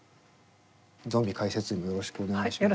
ゾンビかいせついんもよろしくお願いします。